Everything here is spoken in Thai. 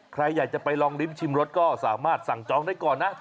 ใครอยากจะไปลองลิ้มชิมรสก็สามารถสั่งจองได้ก่อนนะ